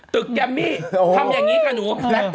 แกมมี่ทำอย่างนี้ค่ะหนู